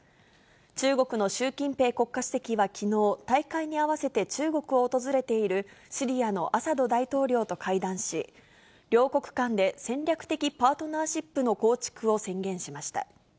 中国の習近平国家主席はきのう、大会に合わせて中国を訪れているシリアのアサド大統領と会談し、両国間で戦略的パートナーシップの構築を宣言しました。